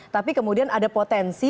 tapi kemudian ada potensi